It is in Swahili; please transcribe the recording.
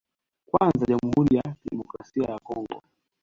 Kwanza Jamhuri ya Kidemokrasia ya Congo